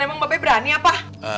emang bapaknya berani apa